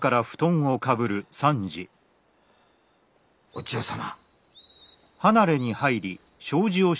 ・お千代様。